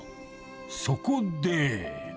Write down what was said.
そこで。